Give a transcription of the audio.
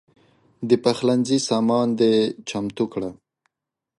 د پخلنځي سامان دې چمتو کړه.